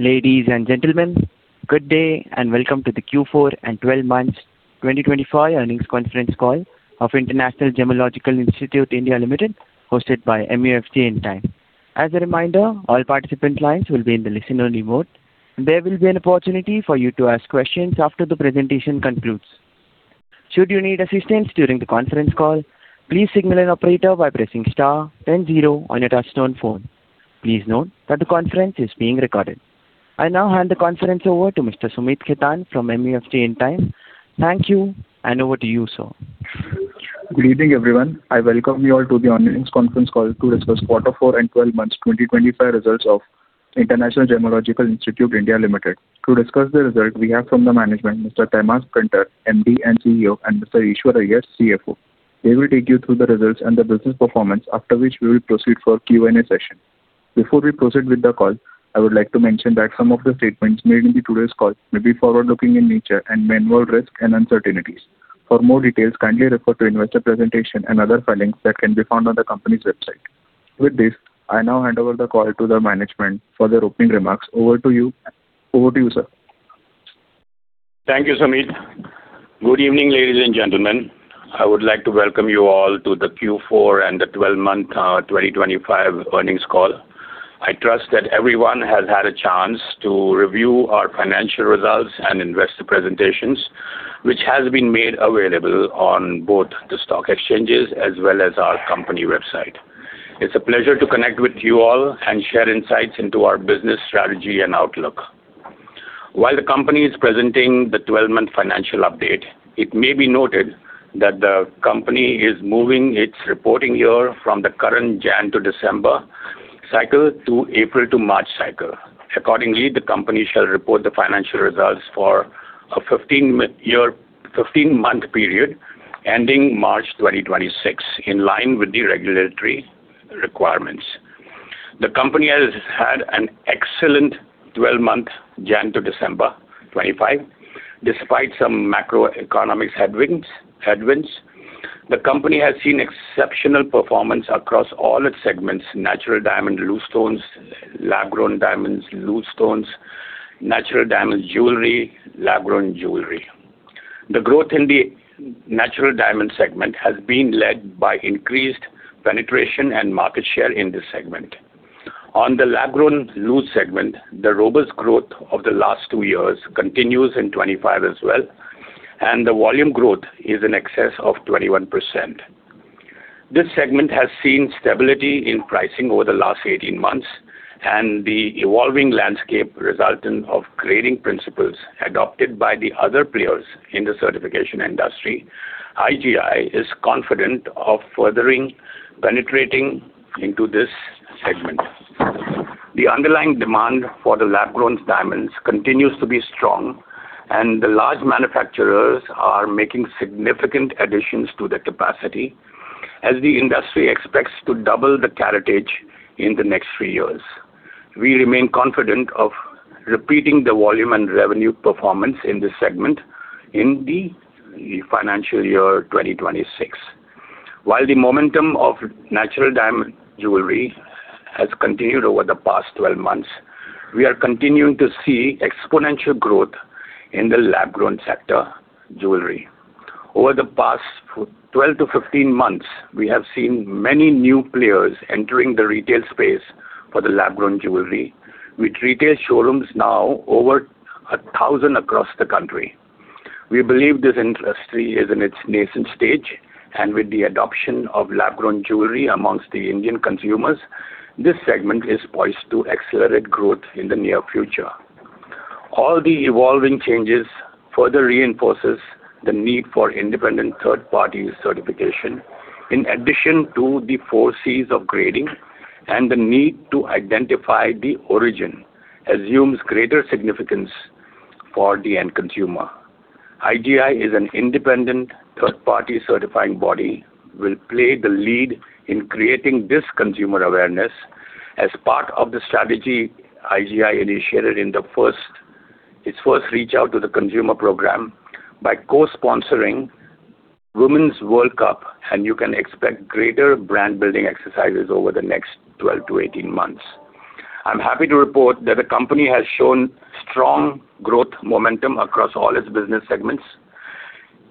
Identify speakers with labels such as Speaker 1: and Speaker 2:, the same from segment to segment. Speaker 1: Ladies and gentlemen, good day, and welcome to the Q4 and 12-months 2025 earnings conference call of International Gemological Institute (India) Limited, hosted by SMIFS Limited. As a reminder, all participant lines will be in the listen-only mode. There will be an opportunity for you to ask questions after the presentation concludes. Should you need assistance during the conference call, please signal an operator by pressing star then zero on your touchtone phone. Please note that the conference is being recorded. I now hand the conference over to Mr. Sumit Khetan from SMIFS Limited. Thank you, and over to you, sir.
Speaker 2: Good evening, everyone. I welcome you all to the earnings conference call to discuss quarter four and twelve months 2025 results of International Gemmological Institute, India Limited. To discuss the results, we have from the management, Mr. Tehmasp Printer, MD and CEO, and Mr. Easwar Iyer, CFO. They will take you through the results and the business performance, after which we will proceed for Q&A session. Before we proceed with the call, I would like to mention that some of the statements made in today's call may be forward-looking in nature and may involve risk and uncertainties. For more details, kindly refer to investor presentation and other filings that can be found on the company's website. With this, I now hand over the call to the management for their opening remarks. Over to you, sir.
Speaker 3: Thank you, Sumit. Good evening, ladies and gentlemen. I would like to welcome you all to the Q4 and the 12-month 2025 earnings call. I trust that everyone has had a chance to review our financial results and investor presentations, which has been made available on both the stock exchanges as well as our company website. It's a pleasure to connect with you all and share insights into our business strategy and outlook. While the company is presenting the 12-month financial update, it may be noted that the company is moving its reporting year from the current January to December cycle to April to March cycle. Accordingly, the company shall report the financial results for a 15-month year, 15-month period ending March 2026, in line with the regulatory requirements. The company has had an excellent 12-month January to December 2025, despite some macroeconomic headwinds. The company has seen exceptional performance across all its segments, natural diamond loose stones, lab-grown diamonds loose stones, natural diamond jewelry, lab-grown jewelry. The growth in the natural diamond segment has been led by increased penetration and market share in this segment. On the lab-grown loose segment, the robust growth of the last two years continues in 2025 as well, and the volume growth is in excess of 21%. This segment has seen stability in pricing over the last 18 months and the evolving landscape resultant of grading principles adopted by the other players in the certification industry. IGI is confident of further penetrating into this segment. The underlying demand for the lab-grown diamonds continues to be strong, and the large manufacturers are making significant additions to their capacity as the industry expects to double the caratage in the next three years. We remain confident of repeating the volume and revenue performance in this segment in the financial year 2026. While the momentum of natural diamond jewelry has continued over the past 12 months, we are continuing to see exponential growth in the lab-grown jewelry sector. Over the past 12-15 months, we have seen many new players entering the retail space for the lab-grown jewelry, with retail showrooms now over 1,000 across the country. We believe this industry is in its nascent stage, and with the adoption of lab-grown jewelry amongst the Indian consumers, this segment is poised to accelerate growth in the near future. All the evolving changes further reinforces the need for independent third-party certification, in addition to the 4Cs of grading and the need to identify the origin assumes greater significance for the end consumer. IGI is an independent third-party certifying body that will play the lead in creating this consumer awareness as part of the strategy IGI initiated in its first reach out to the consumer program by co-sponsoring Women's World Cup, and you can expect greater brand building exercises over the next 12-18 months. I'm happy to report that the company has shown strong growth momentum across all its business segments.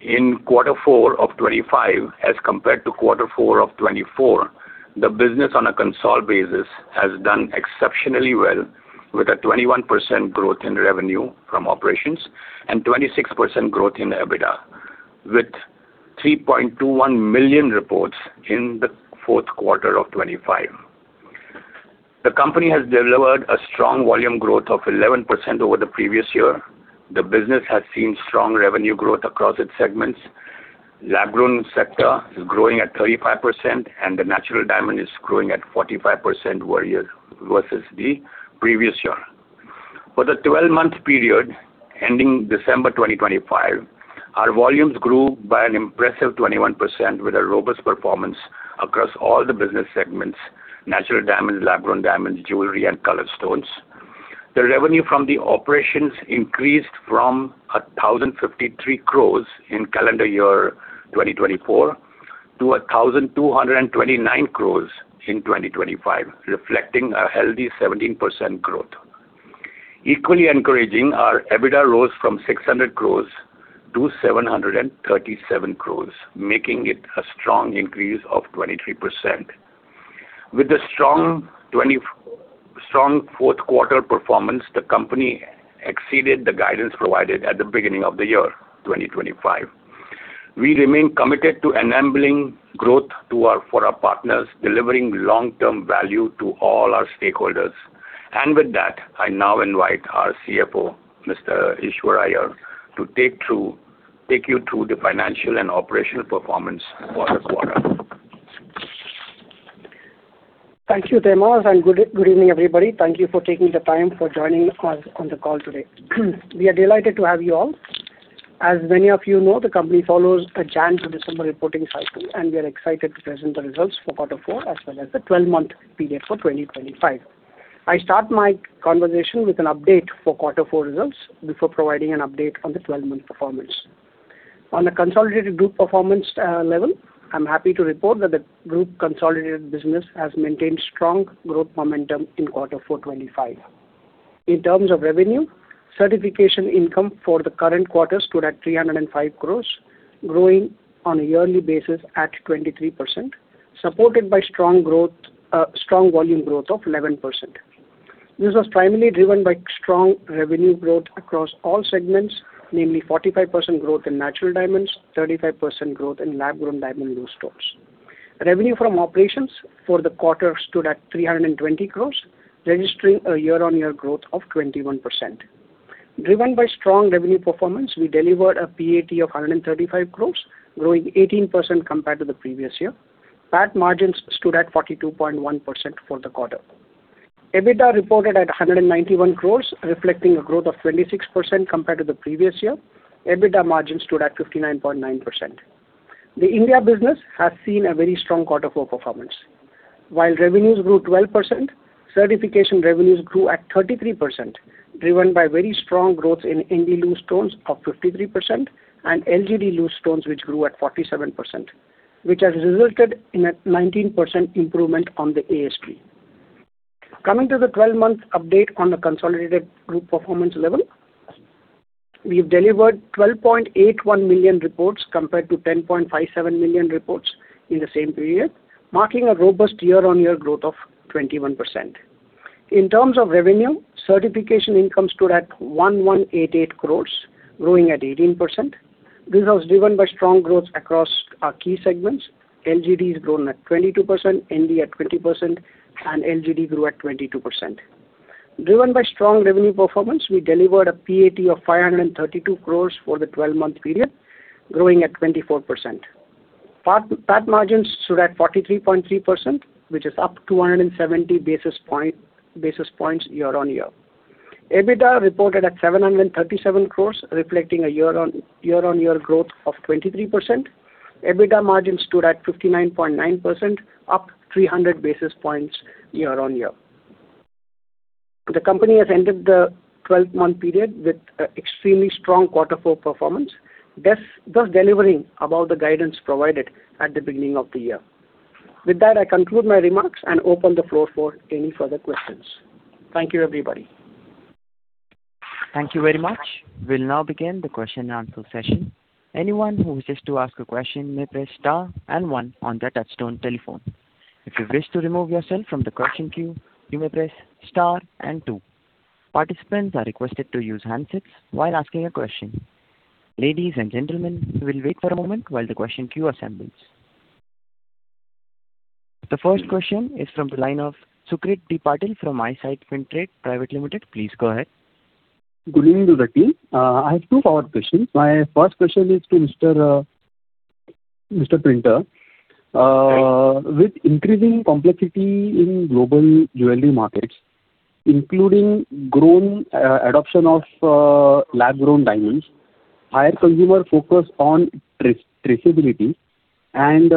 Speaker 3: In quarter four of 2025, as compared to quarter four of 2024, the business on a consolidated basis has done exceptionally well, with a 21% growth in revenue from operations and 26% growth in EBITDA, with 3.21 million reports in the fourth quarter of 2025. The company has delivered a strong volume growth of 11% over the previous year. The business has seen strong revenue growth across its segments. Lab-grown sector is growing at 35%, and the natural diamond is growing at 45% year-over-year versus the previous year. For the 12-month period ending December 2025, our volumes grew by an impressive 21%, with a robust performance across all the business segments, natural diamond, lab-grown diamond, jewelry, and colored stones. The revenue from the operations increased from 1,053 crores in calendar year 2024 to 1,229 crores in 2025, reflecting a healthy 17% growth. Equally encouraging, our EBITDA rose from 600 crores-737 crores, making it a strong increase of 23%. With the strong fourth quarter performance, the company exceeded the guidance provided at the beginning of the year, 2025. We remain committed to enabling growth to our, for our partners, delivering long-term value to all our stakeholders. With that, I now invite our CFO, Mr. Easwar Iyer, to take you through the financial and operational performance for the quarter.
Speaker 4: Thank you, Tehmasp, and good evening, everybody. Thank you for taking the time for joining us on the call today. We are delighted to have you all. As many of you know, the company follows a January to December reporting cycle, and we are excited to present the results for quarter four, as well as the twelve-month period for 2025. I start my conversation with an update for quarter four results, before providing an update on the 12-month performance. On a consolidated group performance level, I'm happy to report that the group consolidated business has maintained strong growth momentum in quarter four 2025. In terms of revenue, certification income for the current quarter stood at 305 crores, growing on a yearly basis at 23%, supported by strong growth, strong volume growth of 11%. This was primarily driven by strong revenue growth across all segments, namely 45% growth in natural diamonds, 35% growth in lab-grown diamond loose stones. Revenue from operations for the quarter stood at 320 crore, registering a year-on-year growth of 21%. Driven by strong revenue performance, we delivered a PAT of 135 crore, growing 18% compared to the previous year. PAT margins stood at 42.1% for the quarter. EBITDA reported at 191 crore, reflecting a growth of 26% compared to the previous year. EBITDA margin stood at 59.9%. The India business has seen a very strong quarter four performance. While revenues grew 12%, certification revenues grew at 33%, driven by very strong growth in India loose stones of 53% and LGD loose stones, which grew at 47%, which has resulted in a 19% improvement on the ASP. Coming to the 12-month update on the consolidated group performance level, we've delivered 12.81 million reports, compared to 10.57 million reports in the same period, marking a robust year-on-year growth of 21%. In terms of revenue, certification income stood at 1,188 crores, growing at 18%. This was driven by strong growth across our key segments. LGD has grown at 22%, ND at 20%, and LGD grew at 22%. Driven by strong revenue performance, we delivered a PAT of 532 crores for the twelve-month period, growing at 24%. PAT margins stood at 43.3%, which is up 270 basis points year-on-year. EBITDA reported at 737 crore, reflecting a year-on-year growth of 23%. EBITDA margin stood at 59.9%, up 300 basis points year-on-year. The company has ended the 12-month period with an extremely strong quarter four performance, thus delivering above the guidance provided at the beginning of the year. With that, I conclude my remarks and open the floor for any further questions. Thank you, everybody.
Speaker 1: Thank you very much. We'll now begin the question and answer session. Anyone who wishes to ask a question may press star and one on their touchtone telephone. If you wish to remove yourself from the question queue, you may press star and two. Participants are requested to use handsets while asking a question. Ladies and gentlemen, we'll wait for a moment while the question queue assembles. The first question is from the line of Sucrit D. Patil from Eyesight Fintrade Private Limited. Please go ahead.
Speaker 5: Good evening to the team. I have two follow-up questions. My first question is to Mr. Printer. With increasing complexity in global jewelry markets, including growing adoption of lab-grown diamonds, higher consumer focus on traceability and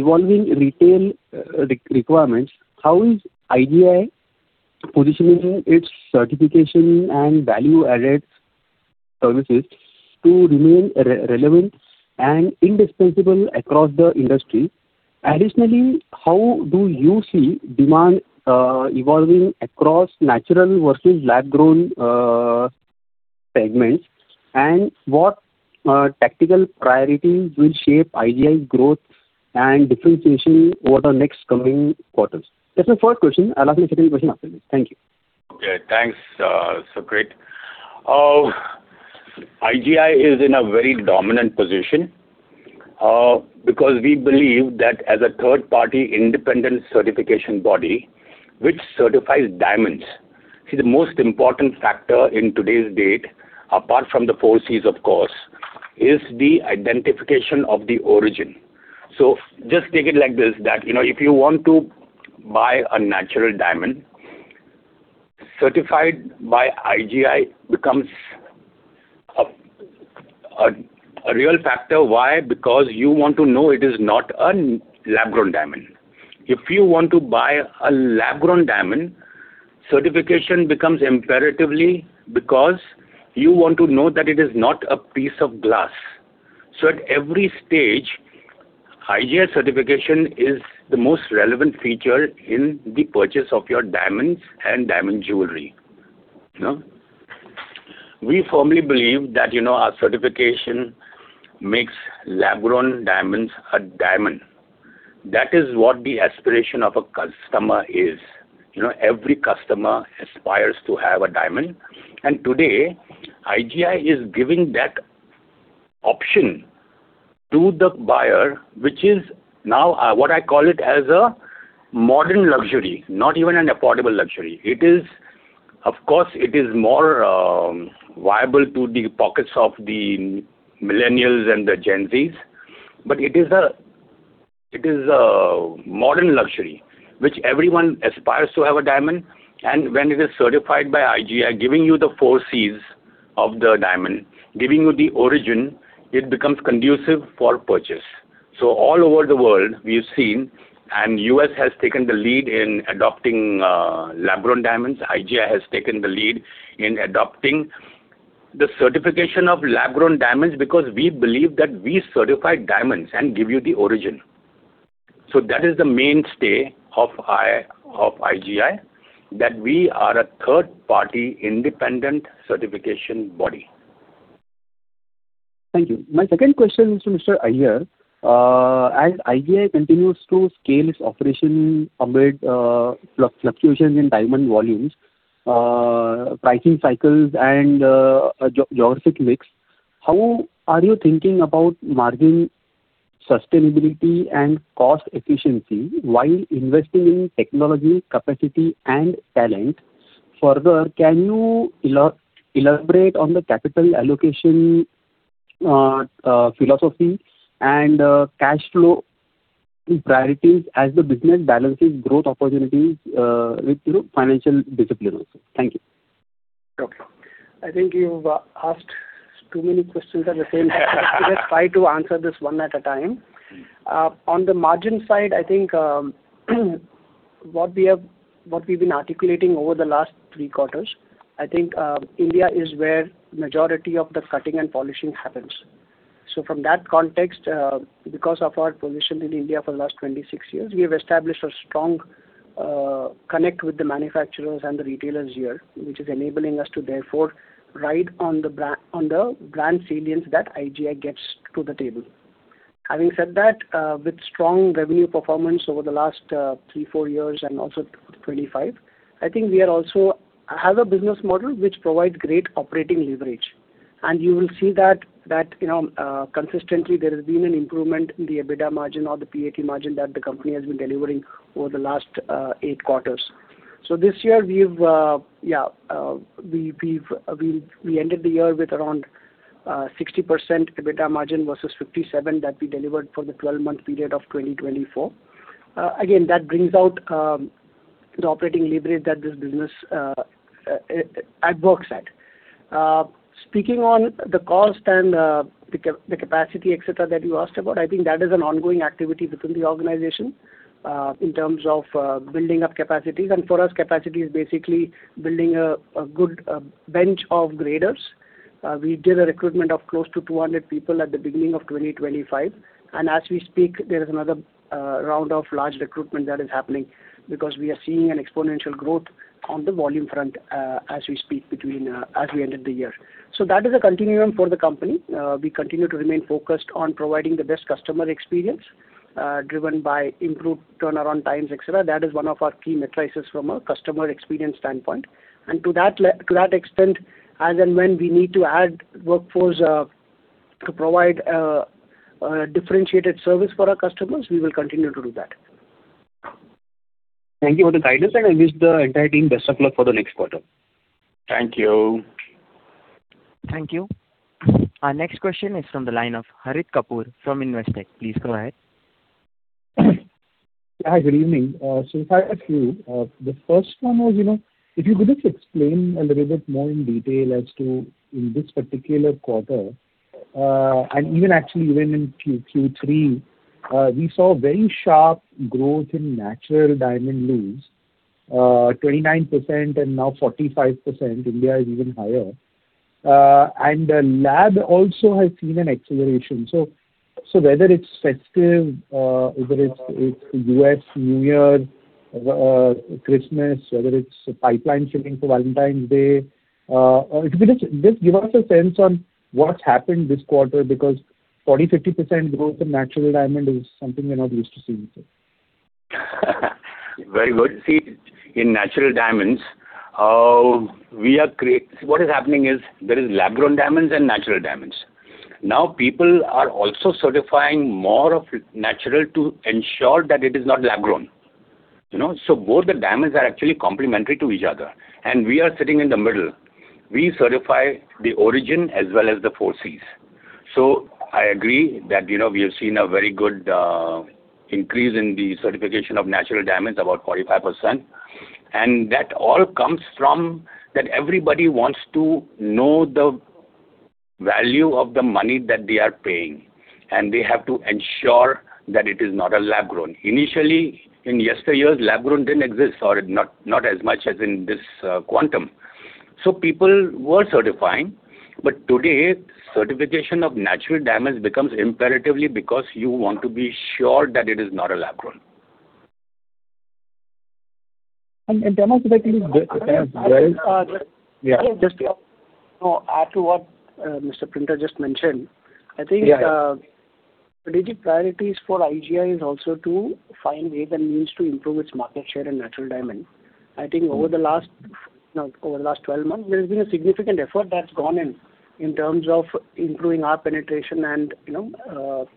Speaker 5: evolving retail requirements, how is IGI positioning its certification and value-added services to remain relevant and indispensable across the industry? Additionally, how do you see demand evolving across natural versus lab-grown segments? And what tactical priorities will shape IGI's growth and differentiation over the next coming quarters? That's my first question. I'll ask the second question after this. Thank you.
Speaker 3: Okay, thanks, Sucrit. IGI is in a very dominant position, because we believe that as a third-party independent certification body, which certifies diamonds, the most important factor to date, apart from the 4Cs, of course, is the identification of the origin. So just take it like this, that, you know, if you want to buy a natural diamond, certified by IGI becomes a real factor. Why? Because you want to know it is not a lab-grown diamond. If you want to buy a lab-grown diamond, certification becomes imperative because you want to know that it is not a piece of glass. So at every stage, IGI certification is the most relevant feature in the purchase of your diamonds and diamond jewelry. You know? We firmly believe that, you know, our certification makes lab-grown diamonds a diamond. That is what the aspiration of a customer is. You know, every customer aspires to have a diamond, and today, IGI is giving that option to the buyer, which is now what I call it as a modern luxury, not even an affordable luxury. It is. Of course, it is more viable to the pockets of the millennials and the Gen Zs, but it is a modern luxury, which everyone aspires to have a diamond, and when it is certified by IGI, giving you the 4Cs of the diamond, giving you the origin, it becomes conducive for purchase. So all over the world, we've seen, and the U.S. has taken the lead in adopting lab-grown diamonds. IGI has taken the lead in adopting the certification of lab-grown diamonds, because we believe that we certify diamonds and give you the origin. That is the mainstay of IGI, that we are a third-party independent certification body.
Speaker 5: Thank you. My second question is to Mr. Iyer. As IGI continues to scale its operation amid fluctuations in diamond volumes, pricing cycles and geographic mix, how are you thinking about margin sustainability and cost efficiency while investing in technology, capacity, and talent? Further, can you elaborate on the capital allocation philosophy and cash flow priorities as the business balances growth opportunities with, you know, financial discipline also? Thank you.
Speaker 4: Okay. I think you've asked too many questions at the same time. Let's try to answer this one at a time. On the margin side, I think what we have, what we've been articulating over the last three quarters, I think India is where majority of the cutting and polishing happens. So from that context, because of our position in India for the last 26 years, we have established a strong connect with the manufacturers and the retailers here, which is enabling us to therefore ride on the brand salience that IGI gets to the table. Having said that, with strong revenue performance over the last three, four years and also 2025, I think we are also have a business model which provides great operating leverage. You will see that you know consistently there has been an improvement in the EBITDA margin or the PAT margin that the company has been delivering over the last eight quarters. So this year we've ended the year with around 60% EBITDA margin versus 57 that we delivered for the 12-month period of 2024. Again that brings out the operating leverage that this business it works at. Speaking on the cost and the capacity et cetera that you asked about I think that is an ongoing activity within the organization in terms of building up capacities. And for us capacity is basically building a good bench of graders. We did a recruitment of close to 200 people at the beginning of 2025, and as we speak, there is another round of large recruitment that is happening, because we are seeing an exponential growth on the volume front, as we speak between as we ended the year. So that is a continuum for the company. We continue to remain focused on providing the best customer experience, driven by improved turnaround times, et cetera. That is one of our key matrices from a customer experience standpoint. And to that extent, as and when we need to add workforce, to provide differentiated service for our customers, we will continue to do that.
Speaker 5: Thank you for the guidance, and I wish the entire team best of luck for the next quarter.
Speaker 3: Thank you.
Speaker 1: Thank you. Our next question is from the line of Harit Kapoor from Investec. Please go ahead.
Speaker 6: Hi, good evening. So if I ask you, the first one was, you know, if you could just explain a little bit more in detail as to, in this particular quarter, and even actually in Q3, we saw very sharp growth in natural diamond loose, 29% and now 45%. India is even higher. And the lab also has seen an acceleration. So whether it's festive, whether it's U.S. New Year, Christmas, whether it's pipeline filling for Valentine's Day, if you could just give us a sense on what happened this quarter, because 40%-50% growth in natural diamond is something we're not used to seeing, sir.
Speaker 3: Very good. See, in natural diamonds, what is happening is there is lab-grown diamonds and natural diamonds. Now, people are also certifying more of natural to ensure that it is not lab-grown, you know? So both the diamonds are actually complementary to each other, and we are sitting in the middle. We certify the origin as well as the 4Cs. So I agree that, you know, we have seen a very good increase in the certification of natural diamonds, about 45%. And that all comes from that everybody wants to know the value of the money that they are paying, and they have to ensure that it is not a lab-grown. Initially, in yesteryears, lab-grown didn't exist, or not as much as in this quantum. So people were certifying. But today, certification of natural diamonds becomes imperative because you want to be sure that it is not a lab-grown.
Speaker 4: And demonstrate the.
Speaker 3: Yeah.
Speaker 4: Just to add to what Mr. Printer just mentioned, I think,
Speaker 3: Yeah.
Speaker 4: Strategic priorities for IGI is also to find way the means to improve its market share in natural diamond. I think over the last, you know, over the last 12 months, there's been a significant effort that's gone in, in terms of improving our penetration and, you know,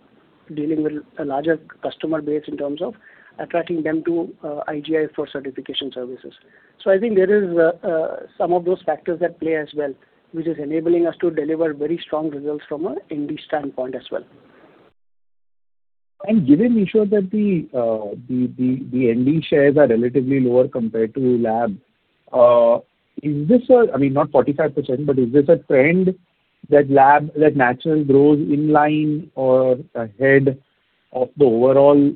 Speaker 4: dealing with a larger customer base in terms of attracting them to, IGI for certification services. So I think there is, some of those factors at play as well, which is enabling us to deliver very strong results from a ND standpoint as well.
Speaker 6: Given, Easwar, that the ND shares are relatively lower compared to lab, is this a I mean, not 45%, but is this a trend that lab, that natural grows in line or ahead of the overall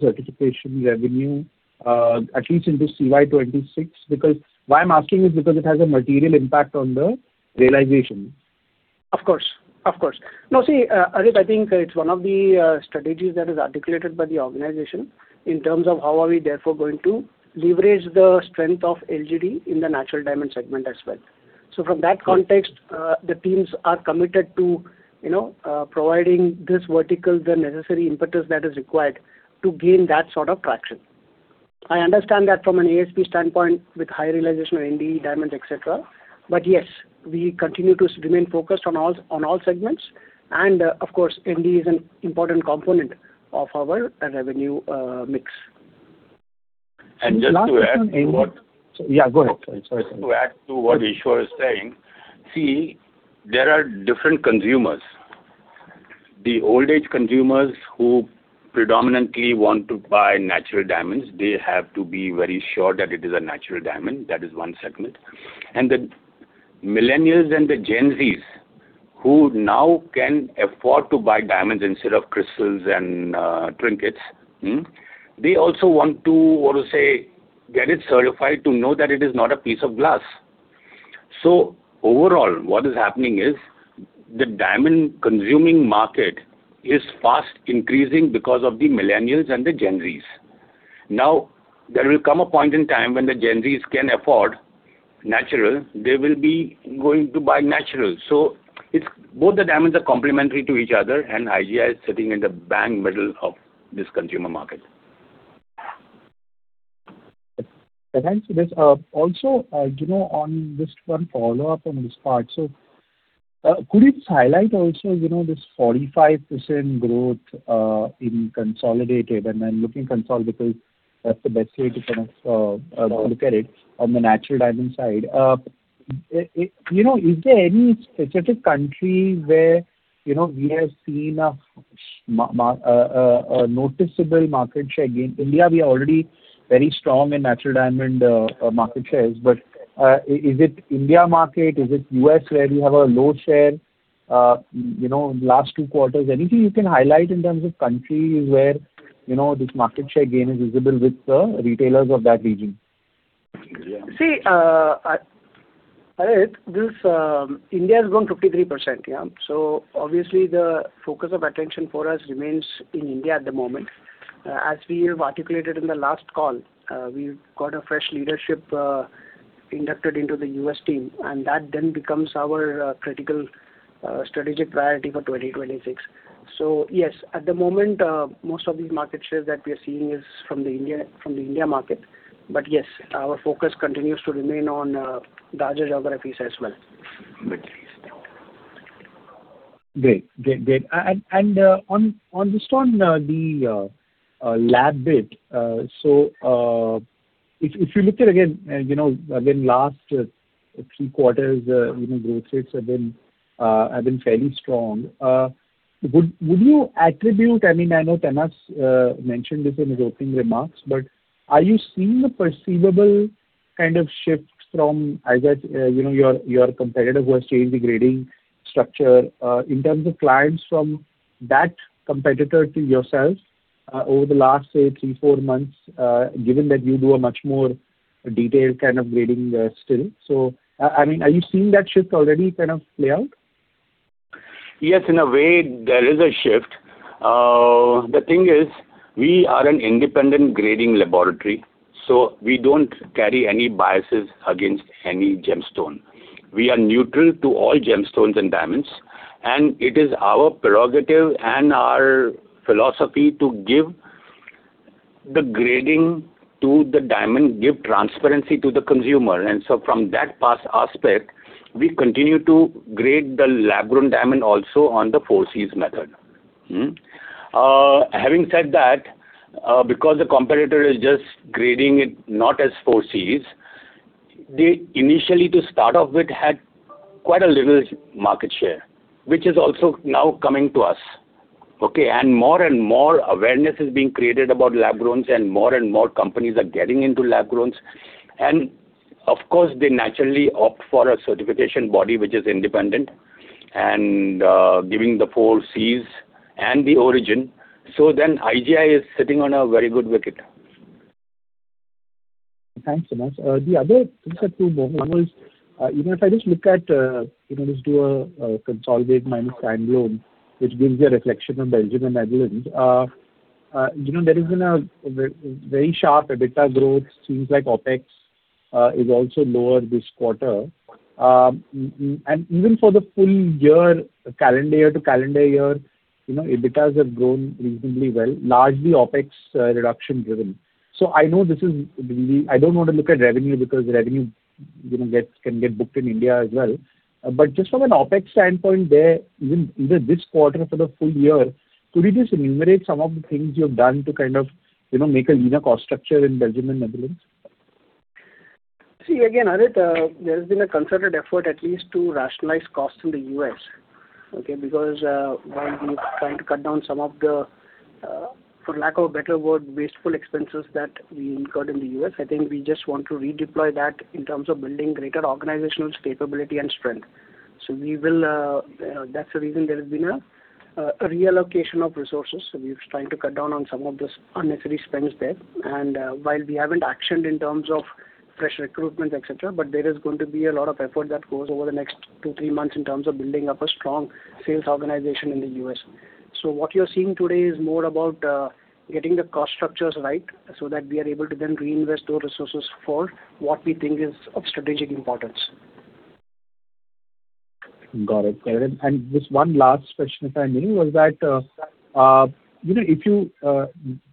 Speaker 6: certification revenue, at least into CY 2026? Because why I'm asking is because it has a material impact on the realization.
Speaker 4: Of course. Of course. No, see, Harit, I think it's one of the, strategies that is articulated by the organization in terms of how are we therefore going to leverage the strength of LGD in the natural diamond segment as well. So from that context, the teams are committed to, you know, providing this vertical, the necessary impetus that is required to gain that sort of traction. I understand that from an ASP standpoint, with high realization of ND, diamonds, et cetera, but yes, we continue to remain focused on all, on all segments. And, of course, ND is an important component of our revenue, mix.
Speaker 3: And just to add to what-
Speaker 4: Yeah, go ahead. Sorry.
Speaker 3: To add to what Easwar is saying, see, there are different consumers. The old-age consumers who predominantly want to buy natural diamonds, they have to be very sure that it is a natural diamond. That is one segment. And the millennials and the Gen Zs, who now can afford to buy diamonds instead of crystals and trinkets, they also want to, how to say, get it certified to know that it is not a piece of glass. So overall, what is happening is, the diamond-consuming market is fast increasing because of the millennials and the Gen Zs. Now, there will come a point in time when the Gen Zs can afford natural, they will be going to buy natural. So it's, both the diamonds are complementary to each other, and IGI is sitting in the bang middle of this consumer market.
Speaker 6: Thanks for this. Also, you know, on this one follow-up on this part. So, could you highlight also, you know, this 45% growth in consolidated, and I'm looking consolidated, that's the best way to kind of look at it, on the natural diamond side. You know, is there any specific country where, you know, we have seen a noticeable market share gain? India, we are already very strong in natural diamond market shares, but, is it India market? Is it U.S., where we have a low share, you know, last two quarters? Anything you can highlight in terms of countries where, you know, this market share gain is visible with the retailers of that region?
Speaker 3: Yeah.
Speaker 4: See, Harit, this, India has grown 53%, yeah. So obviously, the focus of attention for us remains in India at the moment. As we have articulated in the last call, we've got a fresh leadership inducted into the U.S. team, and that then becomes our critical strategic priority for 2026. So yes, at the moment, most of these market shares that we are seeing is from the India, from the India market. But yes, our focus continues to remain on larger geographies as well.
Speaker 6: Great. And, on this one, the lab bit, so, if you look at again, you know, again, last three quarters, you know, growth rates have been fairly strong. Would you attribute, I mean, I know Tehmasp mentioned this in his opening remarks, but are you seeing a perceivable kind of shift from, I guess, you know, your competitor who has changed the grading structure, in terms of clients from that competitor to yourself, over the last, say, three, four months, given that you do a much more detailed kind of grading, still? So, I mean, are you seeing that shift already kind of play out?
Speaker 3: Yes, in a way, there is a shift. The thing is, we are an independent grading laboratory, so we don't carry any biases against any gemstone. We are neutral to all gemstones and diamonds, and it is our prerogative and our philosophy to give the grading to the diamond, give transparency to the consumer. And so from that perspective, we continue to grade the lab-grown diamond also on the 4Cs method. Having said that, because the competitor is just grading it not as 4Cs, they initially, to start off with, had to quite a little market share, which is also now coming to us. Okay? And more and more awareness is being created about lab-growns, and more and more companies are getting into lab-growns. And of course, they naturally opt for a certification body which is independent, and giving the 4Cs and the origin. So then IGI is sitting on a very good wicket.
Speaker 6: Thanks so much. The other things are two more. One was, even if I just look at, you know, just do a, consolidated minus standalone, which gives you a reflection of Belgium and Netherlands, you know, there has been a very sharp EBITDA growth. Seems like OpEx is also lower this quarter. And even for the full year, calendar year to calendar year, you know, EBITDAs have grown reasonably well, largely OpEx reduction driven. So I know this is really—I don't want to look at revenue, because revenue, you know, gets, can get booked in India as well. But just from an OpEx standpoint there, even, either this quarter or for the full year, could you just enumerate some of the things you have done to kind of, you know, make a leaner cost structure in Belgium and Netherlands?
Speaker 4: See, again, Harit, there has been a concerted effort at least to rationalize costs in the U.S., okay? Because, while we're trying to cut down some of the, for lack of a better word, wasteful expenses that we incurred in the U.S., I think we just want to redeploy that in terms of building greater organizational capability and strength. So we will, that's the reason there has been a, a reallocation of resources. So we're trying to cut down on some of this unnecessary spends there. And, while we haven't actioned in terms of fresh recruitment, et cetera, but there is going to be a lot of effort that goes over the next two, three months in terms of building up a strong sales organization in the U.S. What you're seeing today is more about getting the cost structures right, so that we are able to then reinvest those resources for what we think is of strategic importance.
Speaker 6: Got it, got it. And just one last question, if I may. You know, if you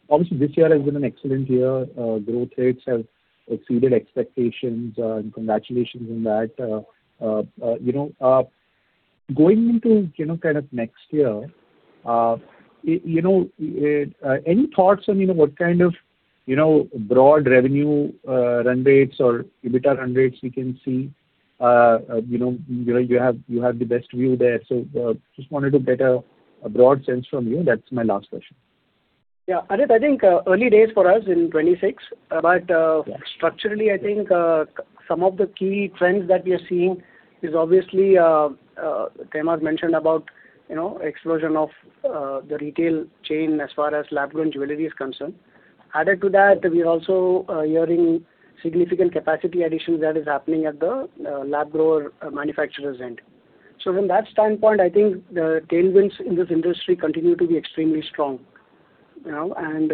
Speaker 6: Obviously, this year has been an excellent year. Growth rates have exceeded expectations, and congratulations on that. You know, going into, you know, kind of next year, you know, any thoughts on, you know, what kind of, you know, broad revenue run rates or EBITDA run rates we can see? You know, you have the best view there. So, just wanted to get a broad sense from you. That's my last question.
Speaker 4: Yeah. Harit, I think, early days for us in 2026. But, structurally, I think, some of the key trends that we are seeing is obviously, Tehmasp mentioned about, you know, explosion of, the retail chain as far as lab-grown jewelry is concerned. Added to that, we are also, hearing significant capacity additions that is happening at the, lab-grower, manufacturer's end. So from that standpoint, I think the tailwinds in this industry continue to be extremely strong, you know? And,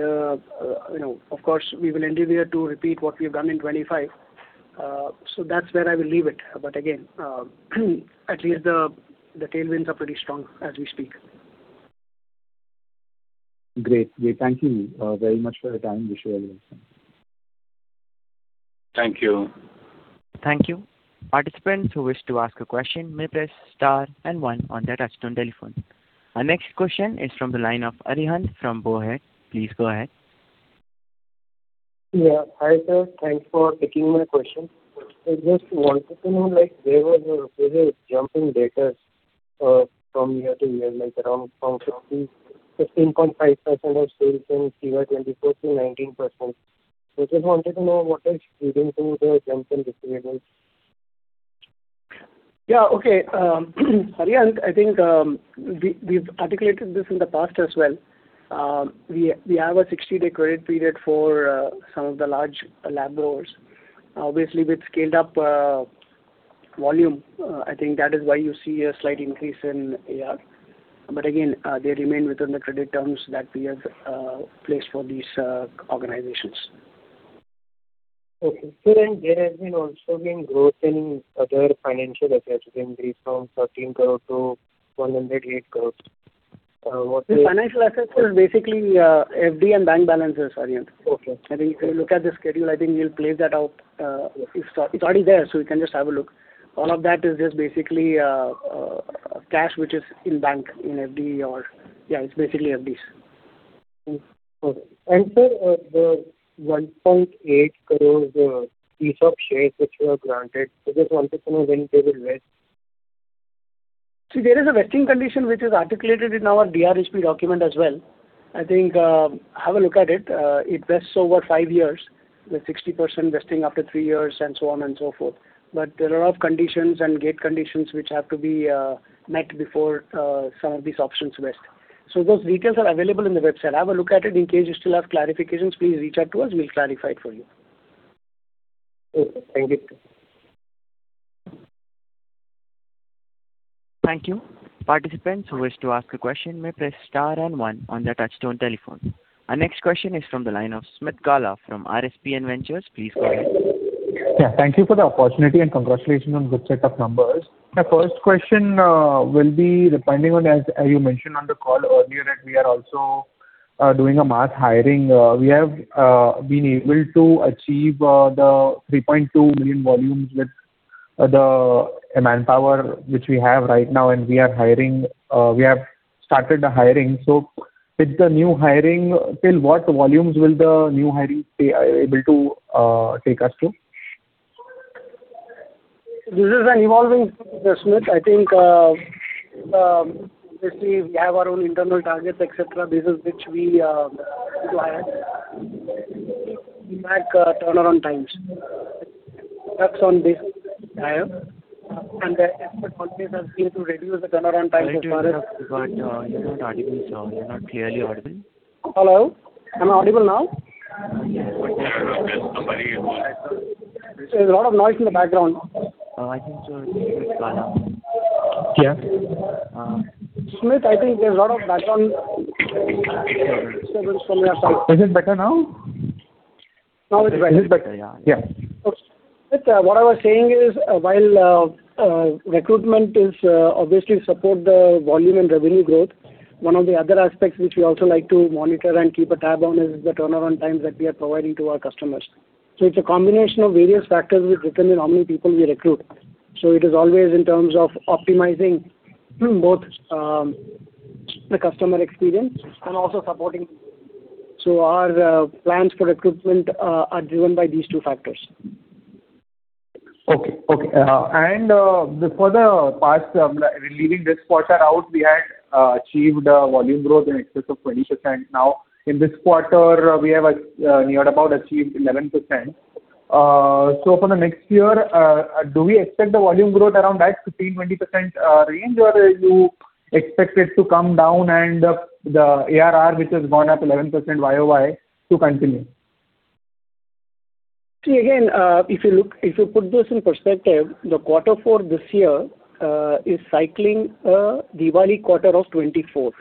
Speaker 4: you know, of course, we will endeavor to repeat what we've done in 2025. So that's where I will leave it. But again, at least the, the tailwinds are pretty strong as we speak.
Speaker 6: Great. We thank you very much for your time. Wish you well.
Speaker 7: Thank you.
Speaker 1: Thank you. Participants who wish to ask a question may press star and one on their touchtone telephone. Our next question is from the line of Arihant from [Bohe]. Please go ahead.
Speaker 2: Yeah. Hi, sir. Thanks for taking my question. I just wanted to know, like, where was your revenue jumping data from year to year, like around from 15.5% of sales in FY 2024 to 19%. So just wanted to know what is leading to the jump in EBITDA?
Speaker 4: Yeah, okay. Arihant, I think we've articulated this in the past as well. We have a 60-day credit period for some of the large lab growers. Obviously, we've scaled up volume. I think that is why you see a slight increase in AR. But again, they remain within the credit terms that we have placed for these organizations.
Speaker 2: Okay. Sir, and there has also been growth in other financial assets, increased from 13-108 crore. What-
Speaker 4: The financial assets are basically, FD and bank balances, Arihan.
Speaker 2: Okay.
Speaker 4: I think if you look at the schedule, I think we'll place that out. It's already there, so you can just have a look. All of that is just basically cash, which is in bank, in FD or... Yeah, it's basically FDs.
Speaker 2: Okay. And sir, the 1.8 crores ESOP shares which were granted, I just wanted to know when they will vest?
Speaker 4: See, there is a vesting condition which is articulated in our DRHP document as well. I think, have a look at it. It vests over five years, with 60% vesting after three years, and so on and so forth. But there are conditions and gate conditions which have to be met before some of these options vest. So those details are available in the website. Have a look at it. In case you still have clarifications, please reach out to us, we'll clarify it for you.
Speaker 2: Okay. Thank you.
Speaker 1: Thank you. Participants who wish to ask a question may press star and one on their touchtone telephone. Our next question is from the line of Smith Gala from RSPN Ventures. Please go ahead.
Speaker 8: Yeah, thank you for the opportunity, and congratulations on good set of numbers. My first question will be depending on, as, as you mentioned on the call earlier, that we are also doing a mass hiring. We have been able to achieve the 3.2 million volumes with the manpower which we have right now, and we are hiring, we have started the hiring. So with the new hiring, till what volumes will the new hiring be able to take us to?
Speaker 4: This is an evolving question, I think, obviously, we have our own internal targets, et cetera. This is which we do hire. We like turnaround times. Focus on this hire, and the expert companies has been to reduce the turnaround time as far as-
Speaker 8: You're not audible at all. You're not clearly audible.
Speaker 4: Hello? Am I audible now?
Speaker 3: Yes, but there is a lot of noise.
Speaker 4: There's a lot of noise in the background.
Speaker 8: I think so. Yeah.
Speaker 4: Smith, I think there's a lot of background disturbance from your side. Is it better now?
Speaker 8: Now it is. It is better, yeah. Yeah.
Speaker 4: What I was saying is, while recruitment is obviously support the volume and revenue growth, one of the other aspects which we also like to monitor and keep a tab on is the turnaround times that we are providing to our customers. So it's a combination of various factors which determine how many people we recruit. So it is always in terms of optimizing both, the customer experience and also supporting. So our plans for recruitment are driven by these two factors.
Speaker 8: Okay. And, before the past, leaving this quarter out, we had achieved a volume growth in excess of 20%. Now, in this quarter, we have near about achieved 11%. So for the next year, do we expect the volume growth around that 15%-20% range? Or you expect it to come down and the ARR, which has gone up 11% Y-o-Y to continue?
Speaker 4: See, again, if you look, if you put this in perspective, the quarter for this year is cycling a Diwali quarter of 2024.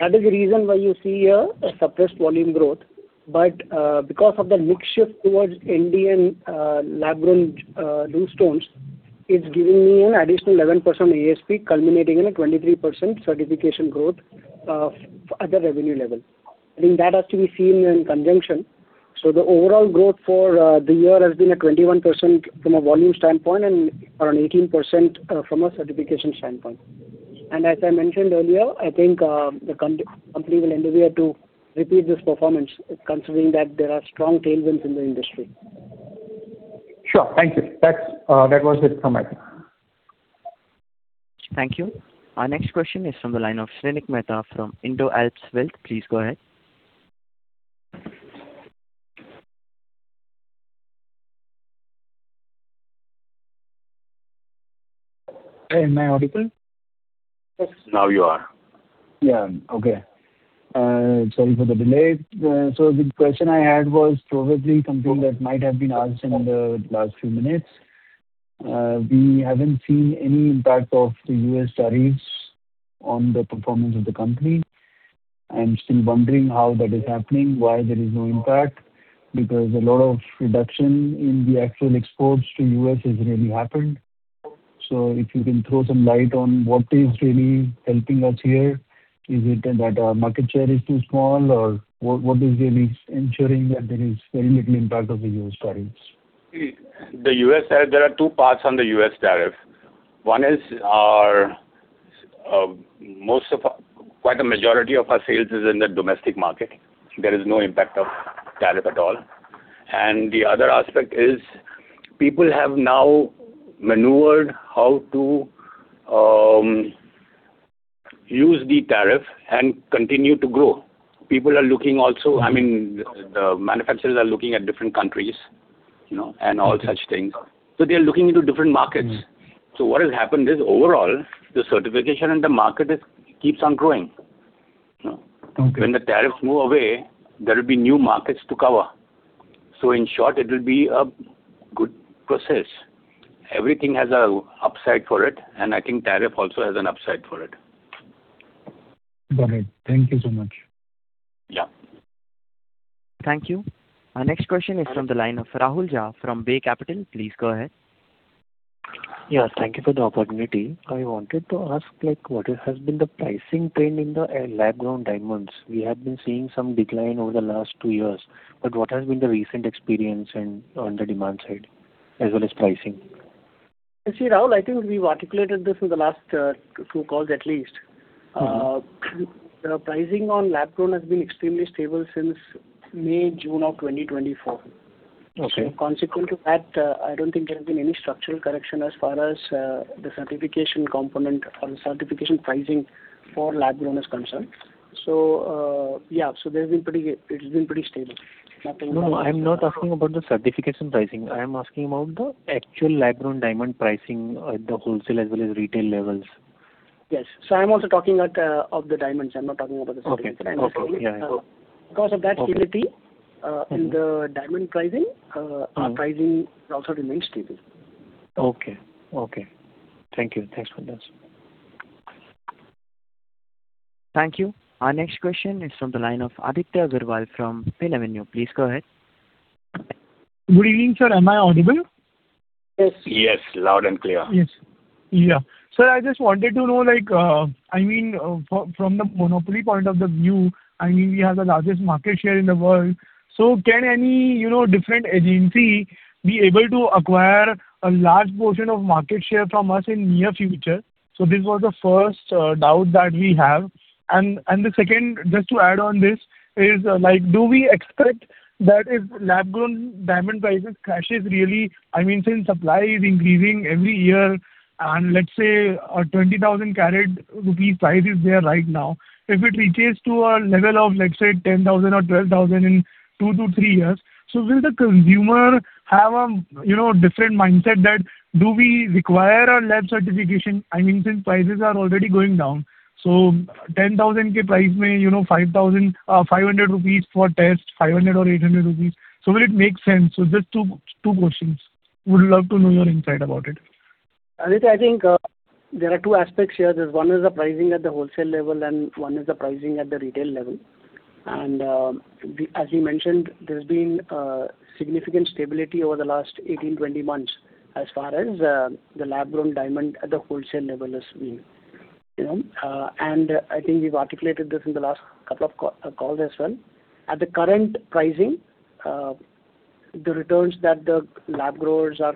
Speaker 4: That is the reason why you see a suppressed volume growth. But because of the mix shift towards Indian lab-grown loose stones, it's giving me an additional 11% ASP, culminating in a 23% certification growth at the revenue level. I think that has to be seen in conjunction. So the overall growth for the year has been a 21% from a volume standpoint and around 18% from a certification standpoint. And as I mentioned earlier, I think the company will endeavor to repeat this performance, considering that there are strong tailwinds in the industry.
Speaker 8: Sure. Thank you. That's, that was it from my end.
Speaker 1: Thank you. Our next question is from the line of Shrenik Mehta from Indo Alpha Wealth. Please go ahead.
Speaker 9: Hi, am I audible?
Speaker 3: Yes, now you are.
Speaker 9: Yeah. Okay. Sorry for the delay. So the question I had was probably something that might have been asked in the last few minutes. We haven't seen any impact of the U.S. tariffs on the performance of the company. I'm still wondering how that is happening, why there is no impact, because a lot of reduction in the actual exports to U.S. has really happened. So if you can throw some light on what is really helping us here, is it that our market share is too small, or what, what is really ensuring that there is very little impact of the U.S. tariffs?
Speaker 3: The U.S. tariff, there are two parts on the U.S. tariff. One is our, most of our, quite a majority of our sales is in the domestic market. There is no impact of tariff at all. And the other aspect is people have now maneuvered how to, use the tariff and continue to grow. People are looking also, I mean, the manufacturers are looking at different countries, you know, and all such things. So they are looking into different markets. What has happened is, overall, the certification and the market is, keeps on growing. You know?
Speaker 9: Okay.
Speaker 3: When the tariffs move away, there will be new markets to cover. So in short, it will be a good process. Everything has an upside for it, and I think tariff also has an upside for it.
Speaker 9: Got it. Thank you so much.
Speaker 3: Yeah.
Speaker 1: Thank you. Our next question is from the line of Rahul Jha from Bay Capital. Please go ahead.
Speaker 7: Yeah, thank you for the opportunity. I wanted to ask, like, what has been the pricing trend in the lab-grown diamonds? We have been seeing some decline over the last two years, but what has been the recent experience and on the demand side, as well as pricing?
Speaker 4: You see, Rahul, I think we've articulated this in the last, two calls at least. The pricing on lab-grown has been extremely stable since May, June of 2024.
Speaker 7: Okay.
Speaker 4: So consequent to that, I don't think there has been any structural correction as far as, the certification component or the certification pricing for lab-grown is concerned. So, yeah, so there's been pretty good—it's been pretty stable.
Speaker 7: No, I'm not asking about the certification pricing. I am asking about the actual lab-grown diamond pricing at the wholesale as well as retail levels.
Speaker 4: Yes. So I'm also talking about the diamonds. I'm not talking about the certification.
Speaker 7: Okay. Okay. Yeah.
Speaker 4: Because of that stability in the diamond pricing, Our pricing also remains stable.
Speaker 7: Okay. Okay. Thank you. Thanks for this.
Speaker 1: Thank you. Our next question is from the line of Aditya Agarwal from PhillipCapital. Please go ahead.
Speaker 10: Good evening, sir. Am I audible?
Speaker 4: Yes.
Speaker 3: Yes, loud and clear.
Speaker 10: Yes. Yeah. Sir, I just wanted to know, like, I mean, from the monopoly point of view, I mean, we have the largest market share in the world. So can any, you know, different agency be able to acquire a large portion of market share from us in near future? So this was the first doubt that we have. And the second, just to add on this, is, like, do we expect that if lab-grown diamond prices crashes, really, I mean, since supply is increasing every year and let's say a 20,000 carat INR price is there right now, if it reaches to a level of, let's say, 10,000 or 12,000 in two to three years, so will the consumer have a, you know, different mindset that, do we require a lab certification? I mean, since prices are already going down, so INR 10,000 price mean, you know, 5,000, 500 rupees for test, 500 or 800 rupees. So will it make sense? So just two, two questions. Would love to know your insight about it.
Speaker 4: Aditya, I think, there are two aspects here. There's one is the pricing at the wholesale level, and one is the pricing at the retail level. As you mentioned, there's been significant stability over the last 18-20 months as far as the lab-grown diamond at the wholesale level is concerned, and I think we've articulated this in the last couple of calls as well. At the current pricing, the returns that the lab growers are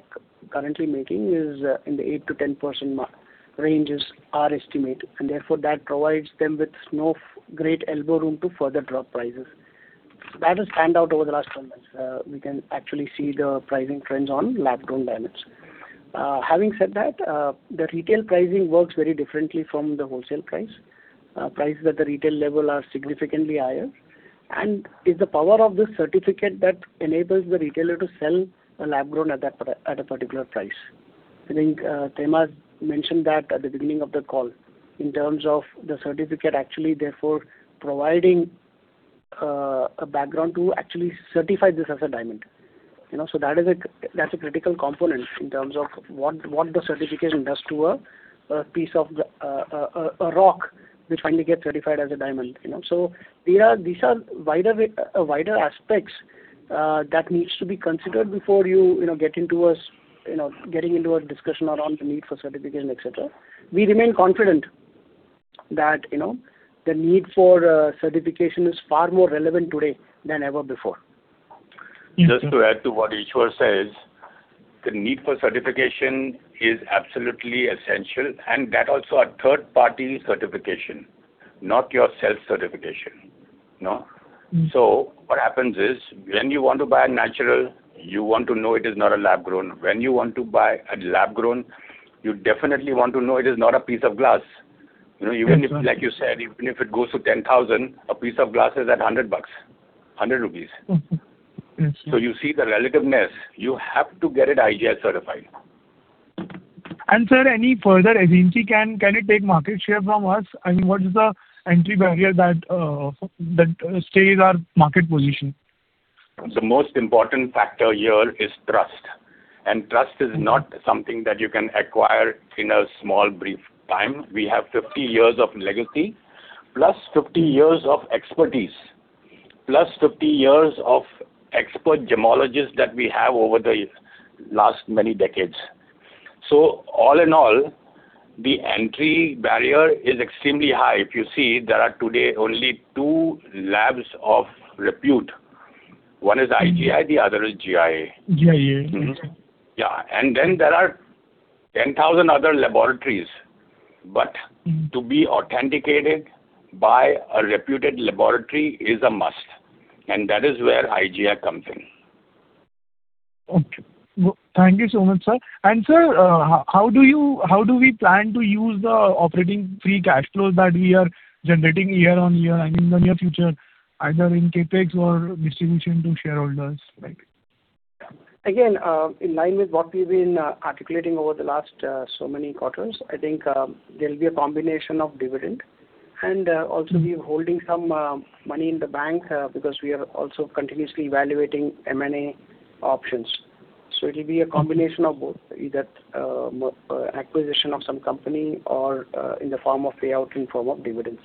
Speaker 4: currently making is in the 8%-10% ranges are estimated, and therefore, that provides them with no great elbow room to further drop prices. That stands out over the last 12 months. We can actually see the pricing trends on lab-grown diamonds. Having said that, the retail pricing works very differently from the wholesale price. Prices at the retail level are significantly higher, and it's the power of the certificate that enables the retailer to sell a lab-grown at that at a particular price. I think, Tehmasp mentioned that at the beginning of the call in terms of the certificate actually, therefore, providing, a background to actually certify this as a diamond. You know, so that is a, that's a critical component in terms of what, what the certification does to a, a piece of the, a, a rock which finally gets certified as a diamond, you know? So these are, these are wider way, wider aspects, that needs to be considered before you, you know, get into a, you know, getting into a discussion around the need for certification, etc. We remain confident that, you know, the need for certification is far more relevant today than ever before.
Speaker 3: Just to add to what Easwar says, the need for certification is absolutely essential, and that also a third-party certification, not your self-certification, no? So what happens is, when you want to buy a natural, you want to know it is not a lab-grown. When you want to buy a lab-grown, you definitely want to know it is not a piece of glass. You know, even if like you said, even if it goes to 10,000, a piece of glass is at $100, 100 rupees. You see the relevance. You have to get it IGI certified.
Speaker 10: Sir, any further agency can it take market share from us? And what is the entry barrier that that stays our market position?
Speaker 3: The most important factor here is trust. And trust is not something that you can acquire in a small, brief time. We have 50 years of legacy, +50 years of expertise, +50 years of expert gemologists that we have over the last many decades. So all in all, the entry barrier is extremely high. If you see, there are today only two labs of repute. One is IGI, the other is GIA.
Speaker 10: GIA.
Speaker 3: Yeah, and then there are 10,000 other laboratories. But to be authenticated by a reputed laboratory is a must, and that is where IGI comes in.
Speaker 10: Okay. Thank you so much, sir. And sir, how do we plan to use the operating free cash flows that we are generating year on year and in the near future, either in CapEx or distribution to shareholders, like?
Speaker 4: Again, in line with what we've been articulating over the last so many quarters, I think there'll be a combination of dividend. Also we're holding some money in the bank because we are also continuously evaluating M&A options. So it'll be a combination of both, either acquisition of some company or in the form of payout in form of dividends.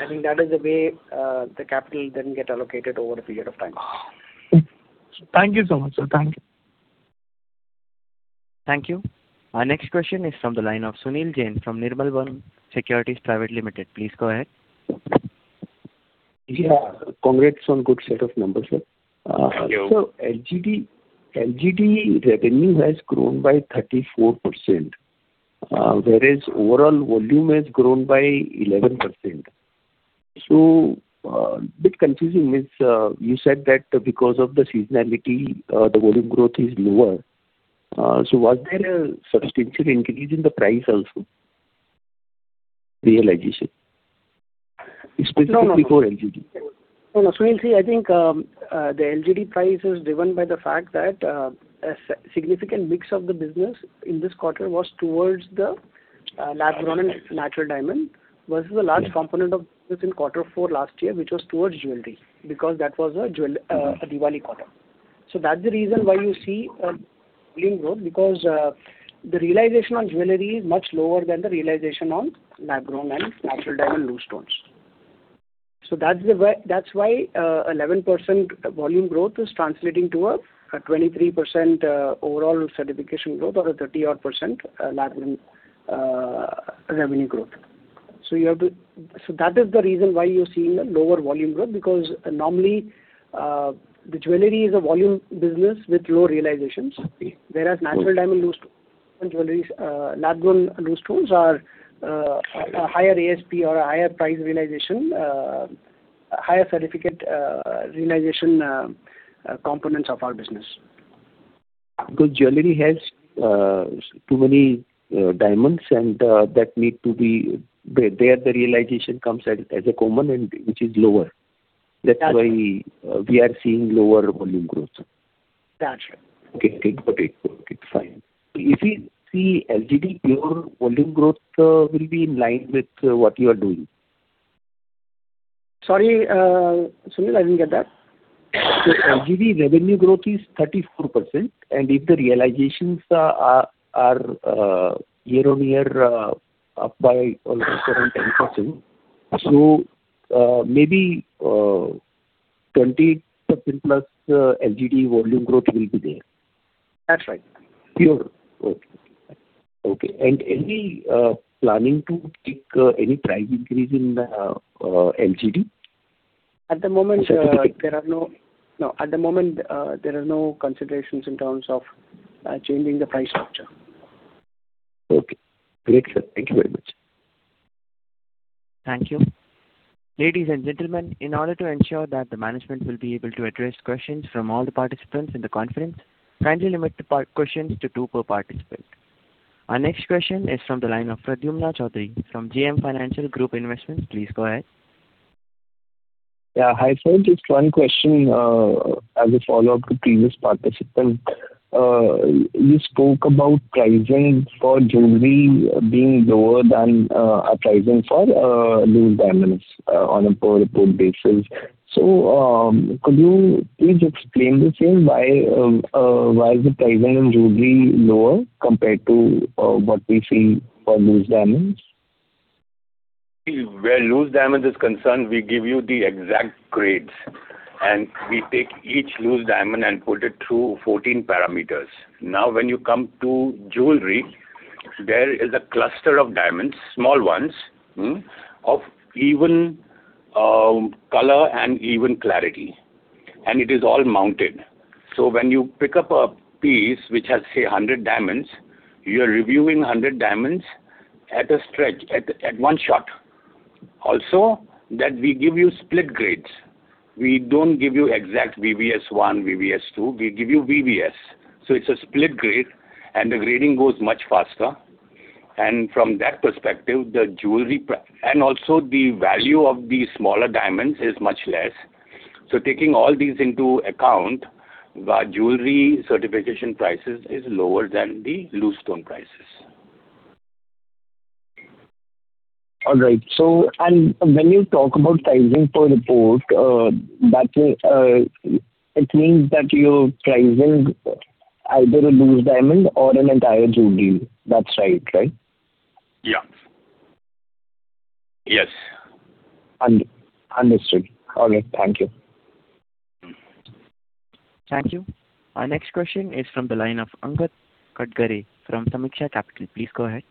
Speaker 4: I think that is the way the capital then get allocated over a period of time.
Speaker 10: Thank you so much, sir. Thank you.
Speaker 1: Thank you. Our next question is from the line of Sunil Jain from Nirmal Bang Securities Private Limited. Please go ahead.
Speaker 11: Yeah. Congrats on good set of numbers, sir.
Speaker 3: Thank you.
Speaker 11: So LGD, LGD revenue has grown by 34%, whereas overall volume has grown by 11%. So, bit confusing is, you said that because of the seasonality, the volume growth is lower. So was there a substantial increase in the price also? Realization, specifically for LGD.
Speaker 4: No, no. Sunil, see, I think, the LGD price is driven by the fact that, a significant mix of the business in this quarter was towards the, lab-grown and natural diamond, versus the large component of this in quarter four last year, which was towards jewelry, because that was a Diwali quarter. So that's the reason why you see a volume growth, because, the realization on jewelry is much lower than the realization on lab-grown and natural diamond loose stones. So that's the way, that's why, 11% volume growth is translating to a, a 23%, overall certification growth or a 30-odd%, lab-grown, revenue growth. So you have to so that is the reason why you're seeing a lower volume growth, because normally, the jewelry is a volume business with low realizations. Whereas natural diamond loose and jewelry, lab-grown loose stones are a higher ASP or a higher price realization, higher certificate realization, components of our business.
Speaker 11: Because jewelry has too many diamonds and that need to be there, the realization comes at as a common and which is lower.
Speaker 4: That's-
Speaker 11: That's why we are seeing lower volume growth.
Speaker 4: That's right.
Speaker 11: Okay, got it. Okay, fine. If we see LGD pure volume growth, will be in line with, what you are doing?
Speaker 4: Sorry, Sunil, I didn't get that.
Speaker 11: The LGD revenue growth is 34%, and if the realizations are year-on-year up by almost around 10%. So, maybe 20%+ LGD volume growth will be there.
Speaker 4: That's right.
Speaker 11: Sure. Okay. Okay, and any planning to take any price increase in the LGD?
Speaker 4: At the moment, there are no considerations in terms of changing the price structure.
Speaker 11: Okay. Great, sir. Thank you very much.
Speaker 1: Thank you. Ladies and gentlemen, in order to ensure that the management will be able to address questions from all the participants in the conference, kindly limit the questions to two per participant. Our next question is from the line of Pradyumna Choudhary from JM Financial Group Investments. Please go ahead.
Speaker 12: Yeah, hi, sir, just one question, as a follow-up to previous participant. You spoke about pricing for jewelry being lower than, a pricing for, loose diamonds, on a per report basis. So, could you please explain the same, why, why is the pricing in jewelry lower compared to, what we see for loose diamonds?
Speaker 3: Where loose diamonds is concerned, we give you the exact grades, and we take each loose diamond and put it through 14 parameters. Now, when you come to jewelry, there is a cluster of diamonds, small ones, of even color and even clarity, and it is all mounted. So when you pick up a piece which has, say, 100 diamonds, you are reviewing 100 diamonds at a stretch, at one shot. Also, that we give you split grades. We don't give you exact VVS one, VVS two, we give you VVS. So it's a split grade, and the grading goes much faster. And from that perspective, the jewelry price and also the value of the smaller diamonds is much less. So taking all these into account, the jewelry certification prices is lower than the loose stone prices.
Speaker 12: All right. So, when you talk about pricing per report, that it means that you're pricing either a loose diamond or an entire jewelry. That's right, right?
Speaker 3: Yeah. Yes.
Speaker 12: Understood. All right. Thank you.
Speaker 1: Thank you. Our next question is from the line of Angad Katdare from Samiksha Capital. Please go ahead.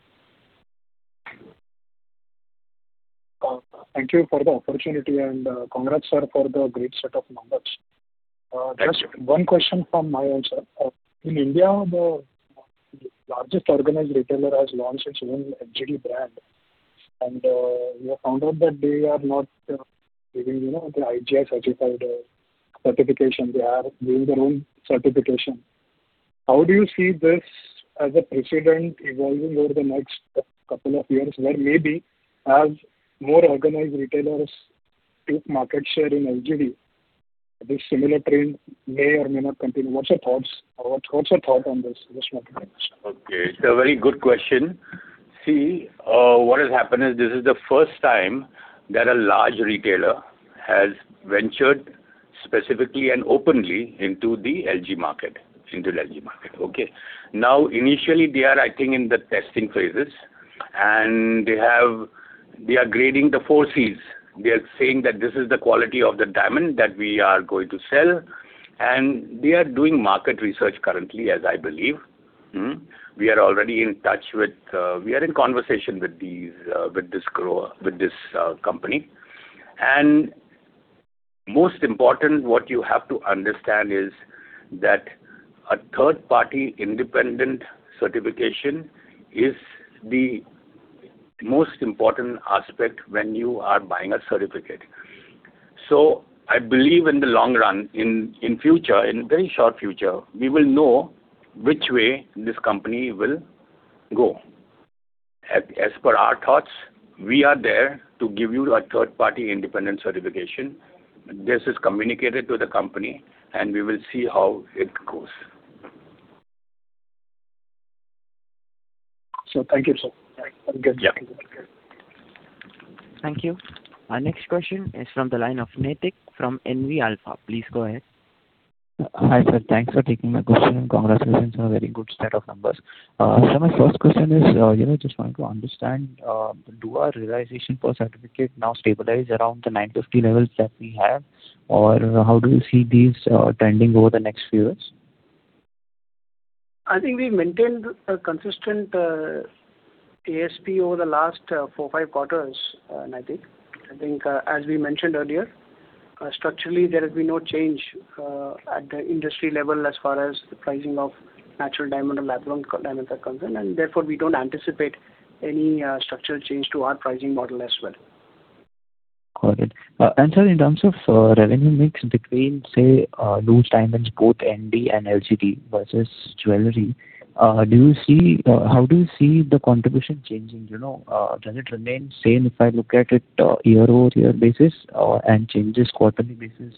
Speaker 13: Thank you for the opportunity, and, congrats, sir, for the great set of numbers. There is one question from my end, sir. In India, the largest organized retailer has launched its own LGD brand, and, we have found out that they are not, giving, you know, the IGI certified, certification. They are doing their own certification. How do you see this as a precedent evolving over the next couple of years, where maybe as more organized retailers take market share in LGD, this similar trend may or may not continue? What's your thoughts, what's your thought on this, this market?
Speaker 3: Okay, it's a very good question. See, what has happened is this is the first time that a large retailer has ventured specifically and openly into the LGD market, into the LGD market, okay? Now, initially, they are, I think, in the testing phases, and they are grading the four Cs. They are saying that this is the quality of the diamond that we are going to sell, and they are doing market research currently, as I believe. We are already in touch with, we are in conversation with these, with this grower, with this, company. And most important, what you have to understand is that a third-party independent certification is the most important aspect when you are buying a certificate. So I believe in the long run, in future, in very short future, we will know which way this company will go. As per our thoughts, we are there to give you a third-party independent certification. This is communicated to the company, and we will see how it goes.
Speaker 13: Thank you, sir.
Speaker 3: Yeah.
Speaker 1: Thank you. Our next question is from the line of Nitin from NV Alpha. Please go ahead.
Speaker 14: Hi, sir. Thanks for taking my question, and congrats on a very good set of numbers. So my first question is, you know, just wanted to understand, do our realization per certificate now stabilize around the 950 levels that we have? Or how do you see these trending over the next few years?
Speaker 4: I think we've maintained a consistent ASP over the last four, five quarters, Nitin. I think, as we mentioned earlier, structurally, there has been no change at the industry level as far as the pricing of natural diamond and lab-grown diamond are concerned, and therefore, we don't anticipate any structural change to our pricing model as well.
Speaker 14: Got it. And, sir, in terms of revenue mix between, say, loose diamonds, both ND and LGD versus jewelry, do you see, how do you see the contribution changing, you know, does it remain same if I look at it year-over-year basis, and changes quarterly basis,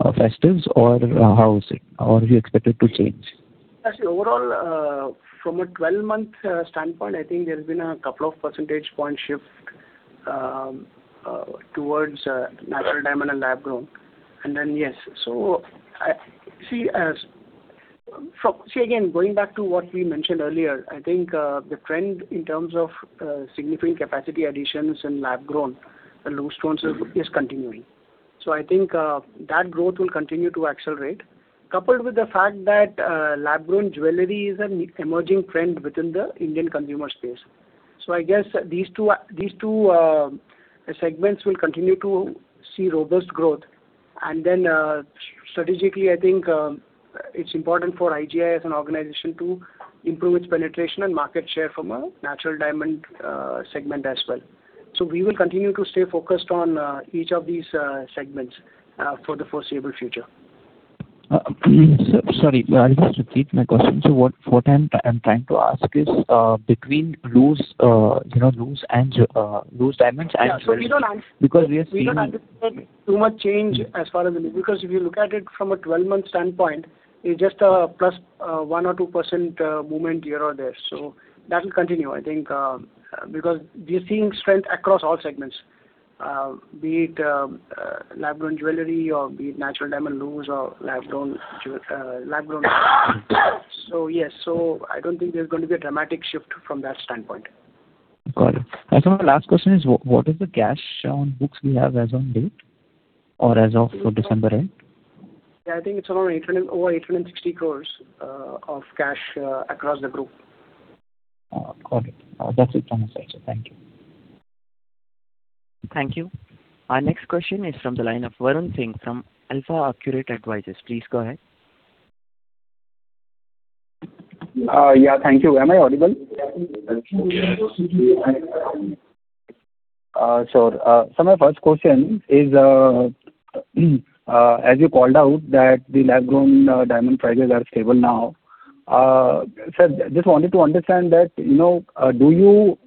Speaker 14: festives or how is it, or do you expect it to change?
Speaker 4: Actually, overall, from a 12-month standpoint, I think there's been a couple of percentage point shift towards natural diamond and lab-grown. And then, yes, going back to what we mentioned earlier, I think the trend in terms of significant capacity additions in lab-grown and loose stones is continuing. So I think that growth will continue to accelerate, coupled with the fact that lab-grown jewelry is an emerging trend within the Indian consumer space. So I guess these two segments will continue to see robust growth. And then strategically, I think it's important for IGI as an organization to improve its penetration and market share from a natural diamond segment as well. We will continue to stay focused on each of these segments for the foreseeable future.
Speaker 14: Sir, sorry, I'll just repeat my question. So what I'm trying to ask is, between loose, you know, loose and loose diamonds and.
Speaker 4: Yeah, so we don't.
Speaker 14: Because we are seeing.
Speaker 4: We don't anticipate too much change as far as the, because if you look at it from a 12-month standpoint, it's just a +1 or 2% movement here or there. So that will continue, I think, because we are seeing strength across all segments, be it lab-grown jewelry or be it natural diamond loose or lab-grown. So yes, so I don't think there's going to be a dramatic shift from that standpoint.
Speaker 14: Got it. And so my last question is, what is the cash on books we have as on date or as of for December end?
Speaker 4: Yeah, I think it's around 800 crores, over 860 crores of cash across the group.
Speaker 14: Got it. That's it from my side, sir. Thank you.
Speaker 1: Thank you. Our next question is from the line of Varun Singh from AlfAccurate Advisors. Please go ahead.
Speaker 15: Yeah, thank you. Am I audible?
Speaker 4: Yes.
Speaker 15: Sure. So my first question is, as you called out, that the lab-grown diamond prices are stable now. Sir, just wanted to understand that, you know, do you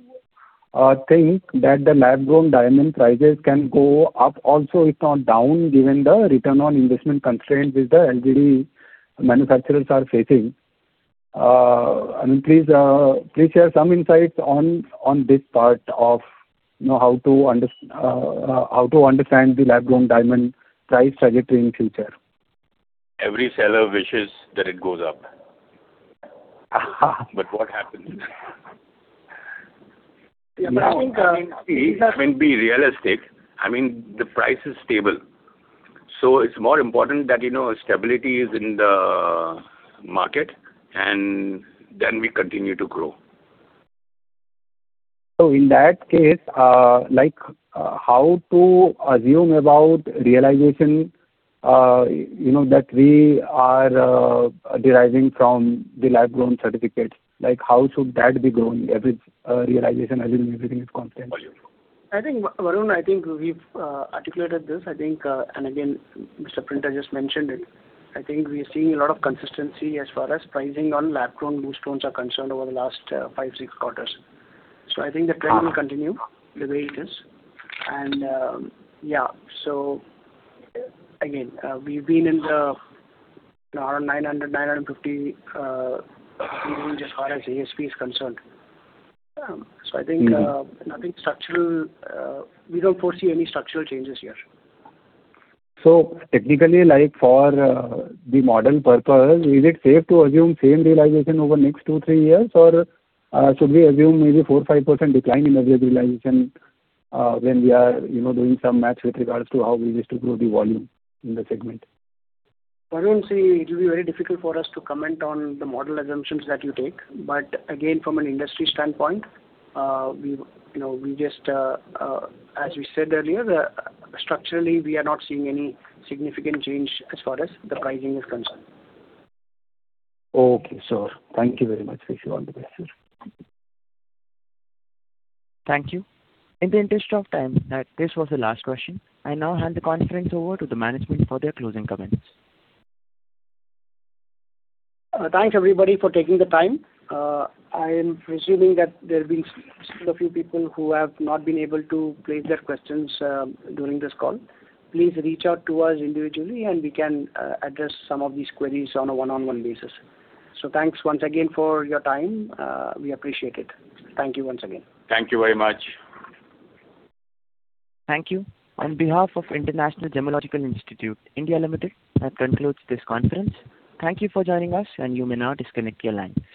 Speaker 15: think that the lab-grown diamond prices can go up also, if not down, given the return on investment constraints which the LGD manufacturers are facing? I mean, please share some insights on this part of, you know, how to understand the lab-grown diamond price trajectory in future.
Speaker 3: Every seller wishes that it goes up. But what happens?
Speaker 15: Yeah, but I think,
Speaker 3: I mean, be realistic. I mean, the price is stable, so it's more important that, you know, stability is in the market, and then we continue to grow.
Speaker 15: So in that case, like, how to assume about realization, you know, that we are deriving from the lab-grown certificates. Like, how should that be growing, average realization, assuming everything is constant?
Speaker 4: I think, Varun, I think we've articulated this, I think, and again, Mr. Printer just mentioned it. I think we are seeing a lot of consistency as far as pricing on lab-grown loose stones are concerned over the last five, six quarters. So I think the trend will continue the way it is. And, yeah, so again, we've been in the around 900-950 as far as ASP is concerned. So I think-
Speaker 15: Mm.
Speaker 4: Nothing structural. We don't foresee any structural changes here.
Speaker 15: So technically, like for the model purpose, is it safe to assume same realization over the next two to three years? Or should we assume maybe 4%-5% decline in the realization when we are, you know, doing some math with regards to how we wish to grow the volume in the segment?
Speaker 4: Varun, see, it will be very difficult for us to comment on the model assumptions that you take. But again, from an industry standpoint, we, you know, we just, as we said earlier, the, structurally, we are not seeing any significant change as far as the pricing is concerned.
Speaker 15: Okay, sir. Thank you very much. Wish you all the best, sir.
Speaker 1: Thank you. In the interest of time, that this was the last question. I now hand the conference over to the management for their closing comments.
Speaker 4: Thanks, everybody, for taking the time. I am presuming that there have been still a few people who have not been able to place their questions during this call. Please reach out to us individually, and we can address some of these queries on a one-on-one basis. So thanks once again for your time. We appreciate it. Thank you once again.
Speaker 3: Thank you very much.
Speaker 1: Thank you. On behalf of International Gemological Institute, India Limited, that concludes this conference. Thank you for joining us, and you may now disconnect your line.